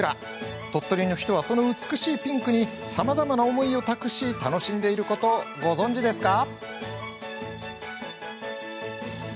鳥取の人は、その美しいピンクにさまざまな思いを託し楽しんでいることご存じですか？